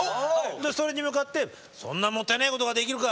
それに向かって「そんなもったいないことができるか！